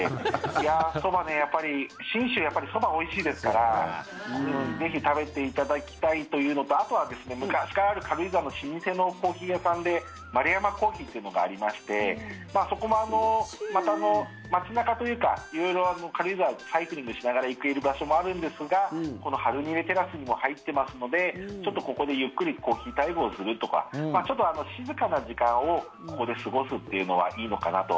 やっぱり信州そば、おいしいですからぜひ食べていただきたいというのとあとは昔からある軽井沢の老舗のコーヒー屋さんで丸山珈琲というのがありましてそこも、また街中というか色々、軽井沢サイクリングしながら行ける場所もあるんですがこのハルニレテラスにも入ってますのでちょっと、ここでゆっくりコーヒータイムをするとかちょっと静かな時間をここで過ごすというのはいいのかなと。